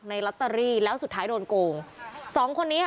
ลอตเตอรี่แล้วสุดท้ายโดนโกงสองคนนี้ค่ะ